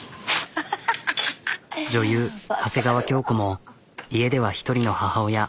女優長谷川京子も家では一人の母親。